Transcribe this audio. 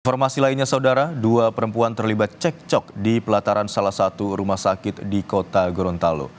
informasi lainnya saudara dua perempuan terlibat cek cok di pelataran salah satu rumah sakit di kota gorontalo